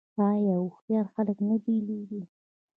آیا هوښیار خلک نه بیلیږي؟